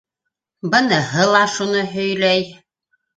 — Быныһы ла шуны һөйләй.